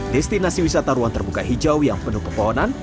destinasi wisata ruang terbuka hijau yang penuh pepohonan